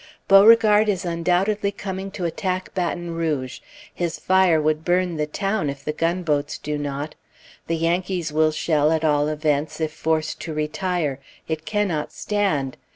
Beauregard is undoubtedly coming to attack Baton Rouge; his fire would burn the town, if the gunboats do not; the Yankees will shell, at all events, if forced to retire. It cannot stand.